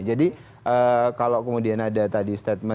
jadi kalau kemudian ada yang menyebut pak prabowo